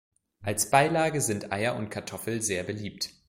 Als Beilage sind Eier und Kartoffel sehr beliebt.